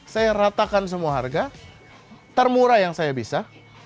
saya ratakan semua harga termurah yang saya bisa